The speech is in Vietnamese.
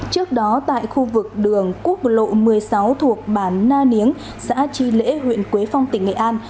trước đó tại khu vực đường quốc lộ một mươi sáu thuộc bản na niếng xã chi lễ huyện quế phong tỉnh nghệ an